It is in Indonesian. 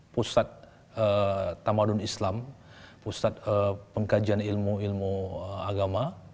pusat tamadun islam pusat pengkajian ilmu ilmu agama